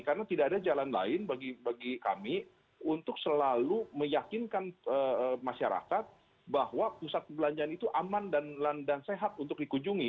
karena tidak ada jalan lain bagi kami untuk selalu meyakinkan masyarakat bahwa pusat perbelanjaan itu aman dan sehat untuk dikunjungi